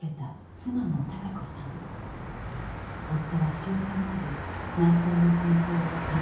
夫は終戦まで南方の戦場を転々とした。